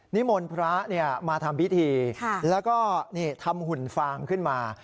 นิมนต์พระมาทำพิธีแล้วก็ทำหุ่นฟางขึ้นมา